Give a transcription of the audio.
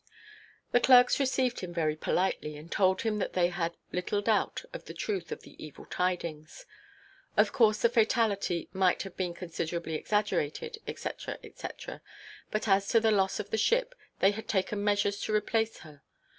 The clerks received him very politely, and told him that they had little doubt of the truth of the evil tidings. Of course the fatality might have been considerably exaggerated, &c. &c., but as to the loss of the ship, they had taken measures to replace her.